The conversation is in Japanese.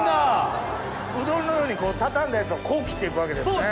うどんのようにこう畳んだやつをこう切って行くわけですね。